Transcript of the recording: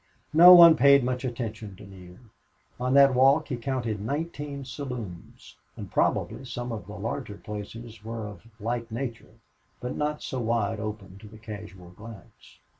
No one paid much attention to Neale. On that walk he counted nineteen saloons, and probably some of the larger places were of like nature, but not so wide open to the casual glance.